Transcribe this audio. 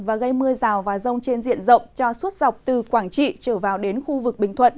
và gây mưa rào và rông trên diện rộng cho suốt dọc từ quảng trị trở vào đến khu vực bình thuận